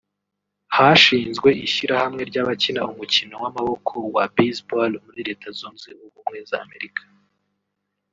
Hashinzwe ishyirahamwe ry’ abakina umukino w’amaboko wa Baseball muri Leta Zunze Ubumwe z’Amerika